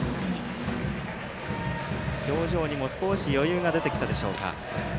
表情にも少し余裕が出てきたでしょうか。